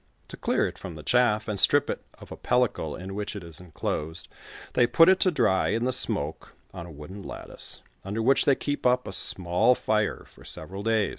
To clear it from the chaff, and strip it of a pellicle in which it is enclosed, they put it to dry in the smoke on a wooden lattice, under which they keep up a small fire for several days.